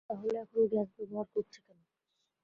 তাহলে এখন গ্যাস ব্যবহার করছে কেন?